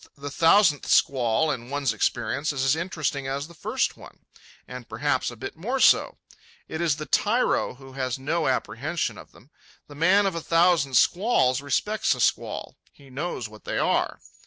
The thousandth squall in one's experience is as interesting as the first one, and perhaps a bit more so. It is the tyro who has no apprehension of them. The man of a thousand squalls respects a squall. He knows what they are.